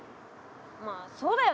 まあそうだよね。